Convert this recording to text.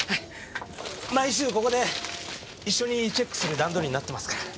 毎週ここで一緒にチェックする段取りになってますから。